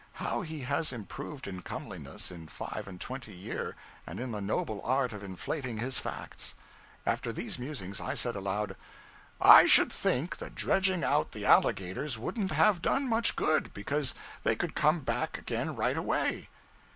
How he has improved in comeliness in five and twenty year and in the noble art of inflating his facts.] After these musings, I said aloud 'I should think that dredging out the alligators wouldn't have done much good, because they could come back again right away.'